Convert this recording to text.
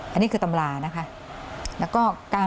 อันนี้คือตำรานะคะ